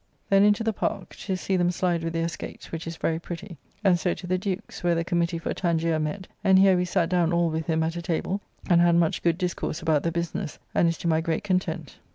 Then into the Park, to see them slide with their skeates, which is very pretty. And so to the Duke's, where the Committee for Tangier met: and here we sat down all with him at a table, and had much good discourse about the business, and is to my great content.